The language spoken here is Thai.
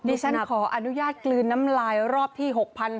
ดิฉันขออนุญาตกลืนน้ำลายรอบที่๖๔๐